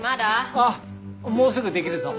あっもうすぐ出来るぞ。